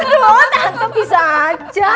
tante bisa aja